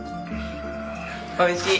おいしい。